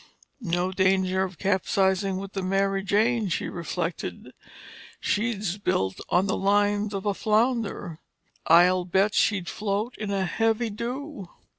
"No danger of capsizing with the Mary Jane," she reflected, "she's built on the lines of a flounder—I'll bet she'd float in a heavy dew!"